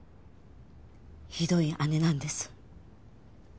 ひどい姉なんです。